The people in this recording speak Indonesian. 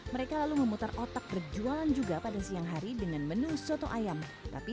mereka lalu memutar otak berjualan juga pada siang hari dengan menu soto ayam tapi